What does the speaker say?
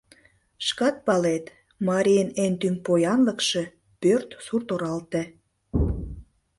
Шкат палет: марийын эн тӱҥ поянлыкше — пӧрт, сурт-оралте.